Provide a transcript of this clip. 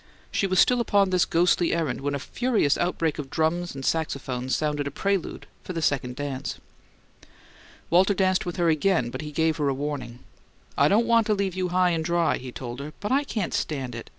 She was still upon this ghostly errand when a furious outbreak of drums and saxophones sounded a prelude for the second dance. Walter danced with her again, but he gave her a warning. "I don't want to leave you high and dry," he told her, "but I can't stand it.